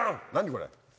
これ。